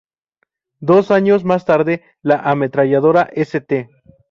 Dos años más tarde, la ametralladora St.